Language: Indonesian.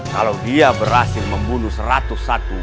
kalau dia berhasil membunuh satu ratus satu